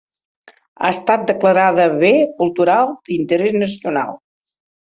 Ha estat declarada Bé Cultural d'Interès Nacional.